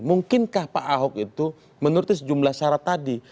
mungkinkah pak ahok itu menuruti sejumlah syarat tadi